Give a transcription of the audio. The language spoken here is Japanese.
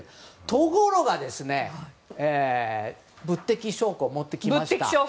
ところが、物的証拠持ってきました。